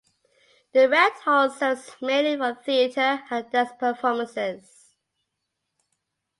The Red Hall serves mainly for theater and dance performances.